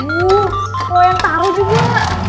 lo yang taro juga